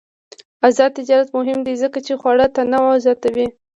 آزاد تجارت مهم دی ځکه چې خواړه تنوع زیاتوي.